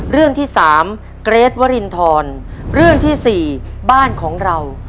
เรื่องที่สามเกรทวรินทรเรื่องที่สี่บ้านของเรา